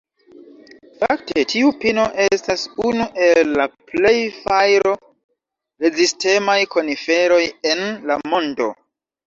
Fakte, tiu pino estas unu el la plej fajro-rezistemaj koniferoj en la mondo.